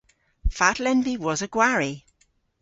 Fatel en vy wosa gwari?